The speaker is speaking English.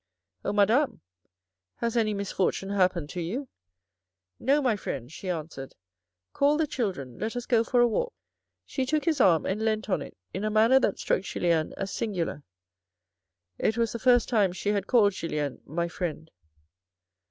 " Oh Madame ! has any misfortune happened to you ?"" No, my friend," she answered, " call the children, let us go for a walk." She took his arm and leant on it in a manner that struck Julien as singular. It was the first time she had called Julien " My friend."